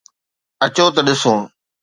اچو ته ڏسون.